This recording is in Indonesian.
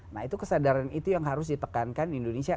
nah itu kesadaran itu yang harus ditekankan indonesia